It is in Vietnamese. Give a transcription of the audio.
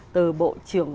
từ bộ trưởng